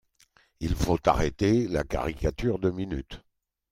Il faut arrêter la caricature deux minutes